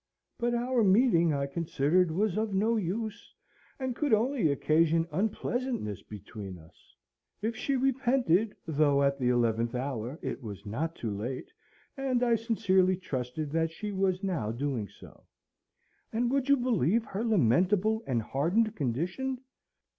But our meeting, I considered, was of no use, and could only occasion unpleasantness between us. If she repented, though at the eleventh hour, it was not too late, and I sincerely trusted that she was now doing so. And, would you believe her lamentable and hardened condition?